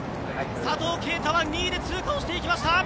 佐藤圭汰は２位で通過していきました。